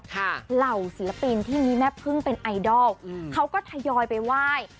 เหล่าศิลปินที่มีแม่พึ่งเป็นไอดอลเขาก็ทยอยไปไหว้